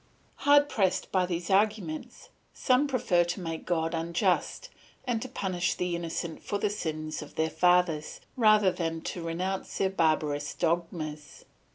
"Hard pressed by these arguments, some prefer to make God unjust and to punish the innocent for the sins of their fathers, rather than to renounce their barbarous dogmas.